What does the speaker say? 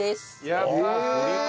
やったー！